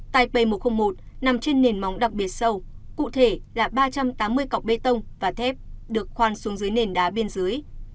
tại p một trăm linh một nằm trên nền móng đặc biệt sâu cụ thể là ba trăm tám mươi cọc bê tông và thép được khoan xuống dưới nền đá bên dưới